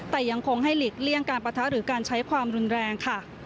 แต่ยังคงให้หลีกเลี่ยงการปะทะหรือการใช้ความรุนแรงค่ะ